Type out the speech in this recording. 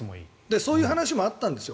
そういう話もあったんですよ